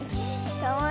かわいい。